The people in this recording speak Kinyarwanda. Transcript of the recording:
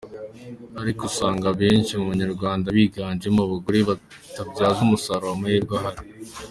Ariko usanga abeshi mu Banyarwanda biganjemo abagore batabyaza umusaruro amahirwe ahari.